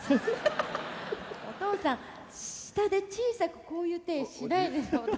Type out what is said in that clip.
お父さん下で小さくこういう手しないでちょうだい。